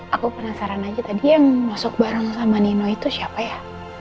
aku penasaran aja tadi yang masuk bareng sama nino itu siapa ya